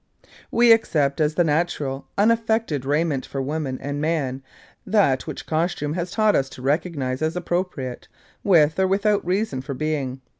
We accept as the natural, unaffected raiment for woman and man that which custom has taught us to recognise as appropriate, with or without reason for being.